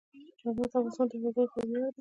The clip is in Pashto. چار مغز د افغانستان د هیوادوالو لپاره ویاړ دی.